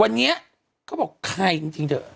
วันนี้ก็บอกใครจริง